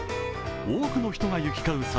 多くの人が行き交う